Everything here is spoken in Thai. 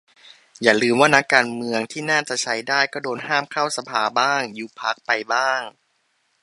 อย่าลืมว่านักการเมืองที่น่าจะใช้ได้ก็โดนห้ามเข้าสภาบ้าง ยุบพรรคไปบ้าง